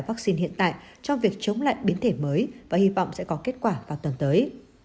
vaccine hiện tại trong việc chống lại biến thể mới và hy vọng sẽ có kết quả vào tuần tới